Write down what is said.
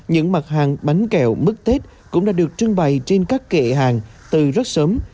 những mặt hàng bánh kẹo mứt tết cũng đã được trưng bày trên các kệ hàng từ rất sớm